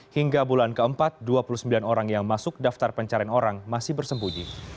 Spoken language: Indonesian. hingga bulan keempat dua puluh sembilan orang yang masuk daftar pencarian orang masih bersembunyi